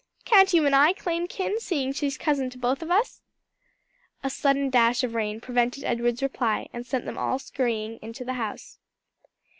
Can't you and I claim kin, seeing she's cousin to both of us?" A sudden dash of rain prevented Edward's reply, and sent them all scurrying into the house.